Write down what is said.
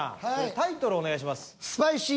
タイトルお願いします。